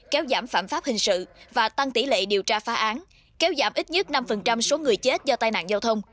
kéo giảm phạm pháp hình sự và tăng tỷ lệ điều tra phá án kéo giảm ít nhất năm số người chết do tai nạn giao thông